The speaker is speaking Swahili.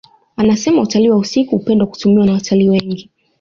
Anasema utalii wa usiku hupendwa kutumiwa na watalii wengi